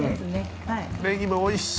はい。